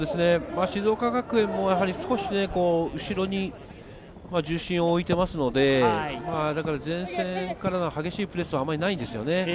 静岡学園も少し後ろに重心を置いていますので、前線からの激しいプレスはあまりないんですね。